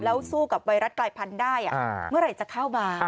แล้วสู้กับไวรัสกายภัณฑ์ได้เมื่อไรจะเข้ามา